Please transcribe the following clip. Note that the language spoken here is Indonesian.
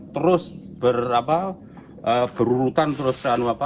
terus berurutan terus